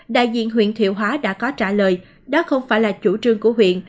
đại diện huyện thiệu hóa đã có trả lời đó không phải là chủ trương của huyện